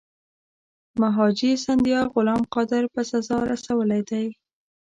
مهاجي سیندیا غلام قادر په سزا رسولی دی.